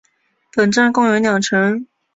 本站共有两层。